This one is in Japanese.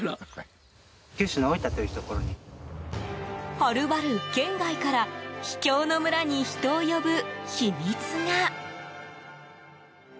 はるばる県外から秘境の村に人を呼ぶ秘密が。